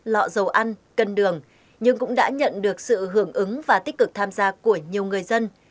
lọ dầu ăn cân đường nhưng cũng đã nhận được sự hưởng ứng và tích cực tham gia của nhiều người dân